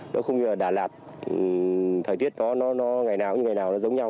nó không như là đà lạt thời tiết nó ngày nào cũng như ngày nào nó giống nhau